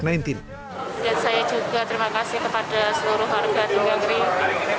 saya juga terima kasih kepada seluruh warga tunggang ritulungagung